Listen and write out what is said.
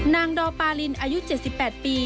ดอปาลินอายุ๗๘ปี